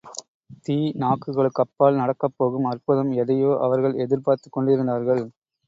தீநாக்குகளுக்கப்பால் நடக்கப் போகும் அற்புதம் எதையோ அவர்கள் எதிர்பார்த்துக் கொண்டிருந்தார்கள்.